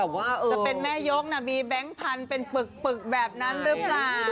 ว่าจะเป็นแม่ยกมีแบงค์พันธุ์เป็นปึกแบบนั้นหรือเปล่า